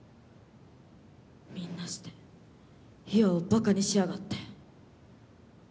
みんなして優愛をバカにしやがって。